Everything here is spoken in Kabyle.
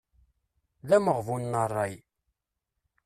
D ameɣbun n ṛṛay.